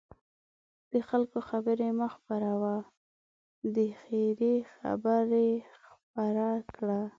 د خلکو خبرې مه خپره وه، د خیر خبرې خپره کړه.